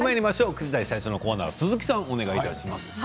９時台最初のコーナーは鈴木さん、お願いします。